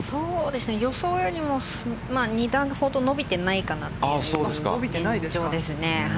予想よりも２段ほど伸びていないかなという現状ですね。